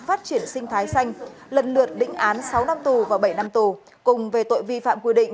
phát triển sinh thái xanh lần lượt đỉnh án sáu năm tù và bảy năm tù cùng về tội vi phạm quy định